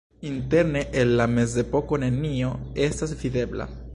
Interne el la mezepoko nenio estas videbla.